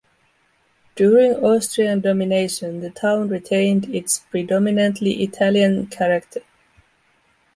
During Austrian domination, the town retained its predominantly Italian character.